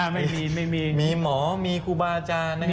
ไม่มีไม่มีมีหมอมีครูบาจารย์นะครับ